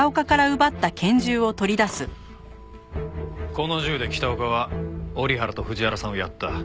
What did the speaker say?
この銃で北岡は折原と藤原さんをやった。